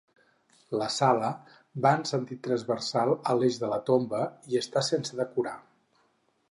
La sala va en sentit transversal a l'eix de la tomba i està sense decorar.